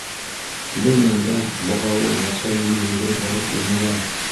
Был мәлдә бағауыл батша янына йүгереп барып инә лә: